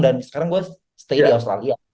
dan sekarang gue stay di australia